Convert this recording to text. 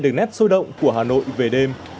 được nét sôi động của hà nội về đêm